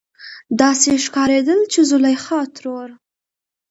داسې ښکارېدل چې زليخا ترور